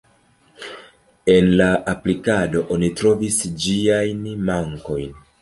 En la aplikado oni trovis ĝiajn mankojn.